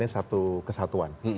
ini melihatnya satu kesatuan